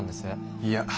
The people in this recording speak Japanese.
いや。